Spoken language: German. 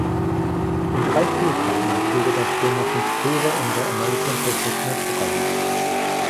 In drei Spielzeiten erzielte der Stürmer fünf Tore in der American Professional Soccer League.